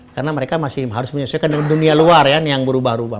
karena mereka masih harus menyelesaikan dunia luar yang berubah ubah